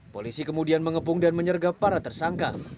polisi kemudian mengepung dan menyergap para tersangka